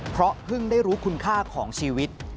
เพราะเพิ่งได้รู้คุณค่าของชีวิต